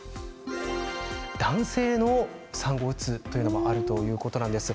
男性の産後うつというのもあるということです。